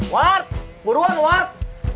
ward buruan ward